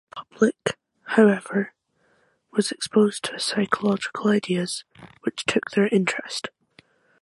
The public, however, was exposed to psychological ideas which took their interest.